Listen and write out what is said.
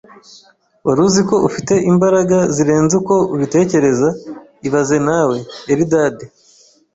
Wari uziko ufite imbaraga zirenze uko ubitekereza ibaze nawe(Eldad)